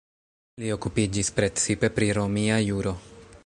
Li okupiĝis precipe pri romia juro.